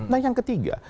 nah yang ketiga